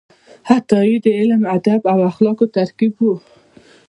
عطايي د علم، ادب او اخلاقو ترکیب و.